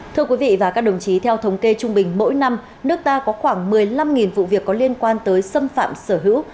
thưa quý vị và các đồng chí theo thống kê trung bình mỗi năm nước ta có khoảng một mươi năm vụ việc có liên quan tới xâm phạm sở hữu